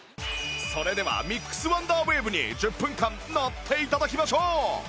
それではミックスワンダーウェーブに１０分間乗って頂きましょう！